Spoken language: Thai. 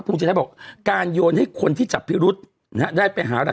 คือรึดีเมื่อไหน